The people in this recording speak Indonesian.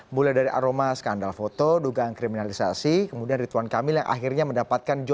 mulai dari aroma skandal foto dugaan kriminalisasi kemudian ridwan kamil yang akhirnya mendapatkan